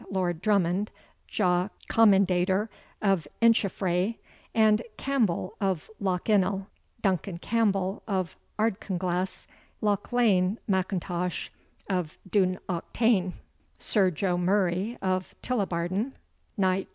Lord Drummond, Ja. Commendator of Incheffray, And. Campbel of Lochinnel, Duncan Campbel of Ardkinglas, Lauchlane M'Intosh of Dunnauchtane, Sir Jo. Murray of Tullibarden, knt.